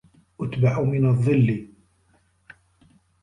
أتبع من الظل